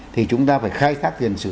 thì chúng ta phải khai thác tiền sự